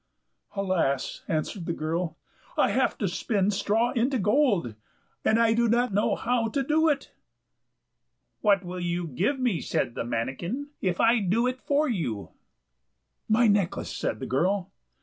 "Alas!" answered the girl, "I have to spin straw into gold, and I do not know how to do it." "What will you give me," said the manikin, "if I do it for you?" "My necklace," said the girl.